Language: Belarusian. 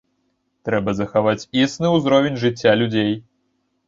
Трэба захаваць існы ўзровень жыцця людзей.